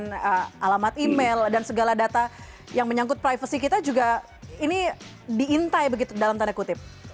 dan alamat email dan segala data yang menyangkut privasi kita juga ini diintai begitu dalam tanda kutip